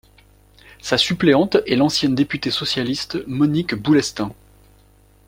Sa suppléante est l'ancienne députée socialiste Monique Boulestin.